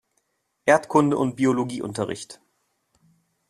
Erdkunde- und Biologieunterricht.